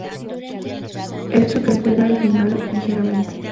Hecho que altera el final ligeramente.